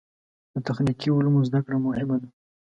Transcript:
د تخنیکي علومو زده کړه مهمه ده.